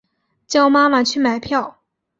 叫妈妈去买票